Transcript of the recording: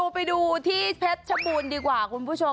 ไปดูที่เพชรชบูรณ์ดีกว่าคุณผู้ชม